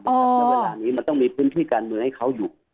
ในเวลานี้มันต้องมีพื้นที่การเมืองให้เขาอยู่